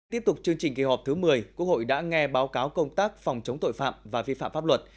tiếp tục chương trình kỳ họp thứ một mươi quốc hội đã nghe báo cáo công tác phòng chống tội phạm và vi phạm pháp luật